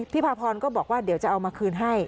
พาพรก็บอกว่าเดี๋ยวจะเอามาคืนให้